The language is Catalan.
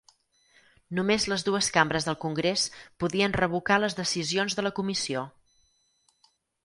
Només les dues cambres del Congrés podien revocar les decisions de la Comissió.